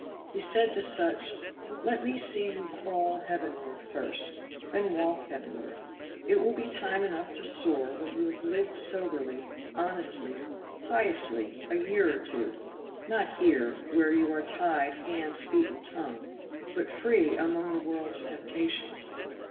He said to such: "Let me see you crawl heavenward first, then walk heavenward; it will be time enough to soar when you have lived soberly, honestly, piously a year or two not here, where you are tied hands, feet and tongue, but free among the world's temptations."